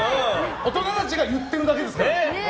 大人たちが言ってるだけです。